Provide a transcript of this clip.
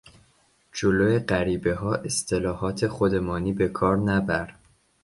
جلو غریبهها اصطلاحات خودمانی به کار نبر.